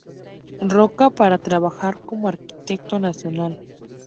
Roca para trabajar como Arquitecto Nacional.